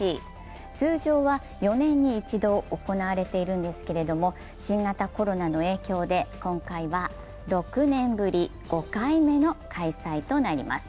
通常は４年に一度行われているんですけれども、新型コロナの影響で今回は６年ぶり、５回目の開催となります。